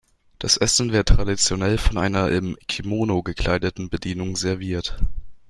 Das Essen wird traditionell von einer im Kimono gekleideten Bedienung serviert.